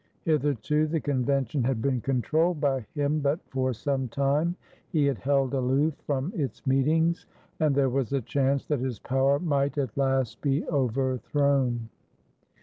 Hitherto the Convention had been controlled by him, but for some time he had held aloof from its meetings and there was a chance that his power might at last be overthrown.